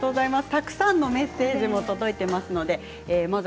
たくさんのメッセージも届いています。